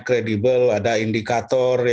kredibel ada indikator